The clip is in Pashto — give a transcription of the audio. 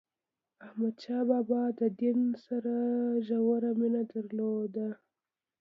احمد شاه بابا د دین سره ژوره مینه درلوده.